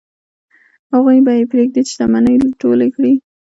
هغوی به یې پرېږدي چې شتمنۍ ټولې کړي.